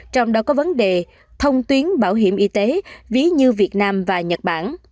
trong đó có vấn đề thông tuyến bảo hiểm y tế ví như việt nam và nhật bản